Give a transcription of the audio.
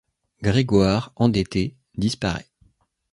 Grégoire, endetté, disparaît.